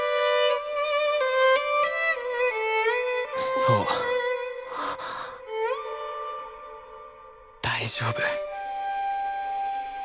そう大丈夫。